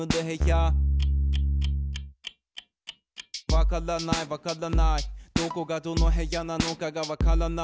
「わからないわからないどこがどの部屋なのかがわからない」